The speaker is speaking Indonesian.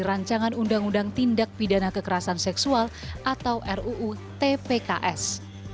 rancangan undang undang tindak pidana kekerasan seksual atau ruutpks